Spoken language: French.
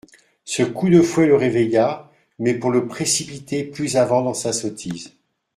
Ce coup de fouet le réveilla, mais pour le précipiter plus avant dans sa sottise.